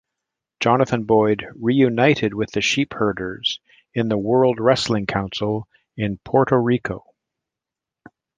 Jonathan Boyd reunited with the Sheepherders in the World Wrestling Council in Puerto Rico.